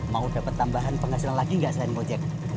mau dapat tambahan penghasilan lagi nggak selain gojek